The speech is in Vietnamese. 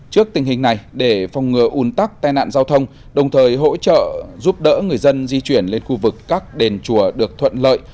trước tình hình này để phòng ngừa ủn tắc tai nạn giao thông đồng thời hỗ trợ giúp đỡ người dân di chuyển lên khu vực các đền chùa được thuận lợi